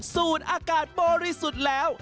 สูตรอากาศบริสุทธิ์แล้ว